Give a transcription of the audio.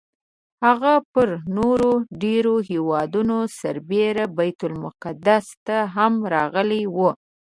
هغه پر نورو ډېرو هېوادونو سربېره بیت المقدس ته هم راغلی و.